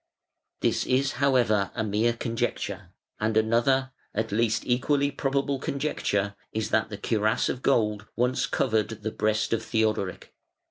This is, however, a mere conjecture, and another, at least equally probable conjecture, is that the cuirass of gold once covered the breast of Theodoric.